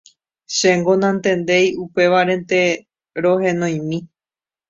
Chéngo nantendéi upévarente rohenoimi.